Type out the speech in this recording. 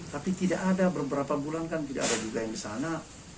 tapi tidak ada beberapa bulan kan tidak ada juga yang di sana